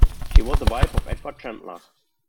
She was the wife of Edward Chandler.